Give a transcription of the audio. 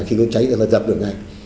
khi nó cháy thì nó dập được ngay